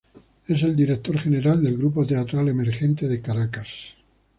Es el director general del Grupo Teatral Emergente de Caracas.